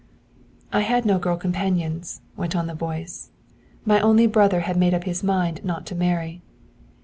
'I had no girl companions,' went on the voice. 'My only brother had made up his mind not to marry.